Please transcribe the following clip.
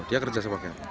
dia kerja sebagainya